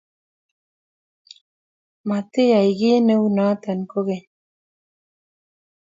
Matiyai kiy neunoto kogeny